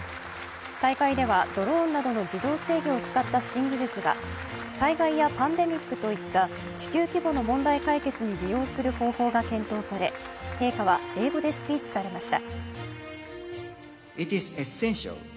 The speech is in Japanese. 大会ではドローンなどの自動制御を使った新技術が災害やパンデミックといった地球規模の問題解決に利用する方法が検討され陛下は英語でスピーチされました。